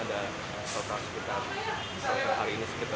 ada sekitar sekitar hari ini sekitar dua ratus tiga puluh